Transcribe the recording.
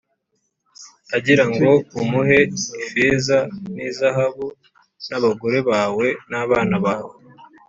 agira ngo umuhe ifeza n’izahabu n’abagore bawe n’abana bawe,